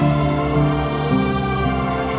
aku mau denger